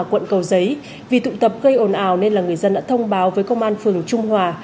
quận cầu giấy vì tụ tập gây ồn ào nên là người dân đã thông báo với công an phường trung hòa